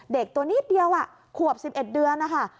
เด็กตัวนิดเดียวขวบ๑๑เดือนนะคะ